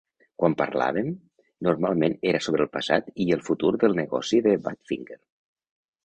Quan parlàvem, normalment era sobre el passat i el futur del negoci de Badfinger.